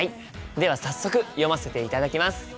では早速読ませていただきます。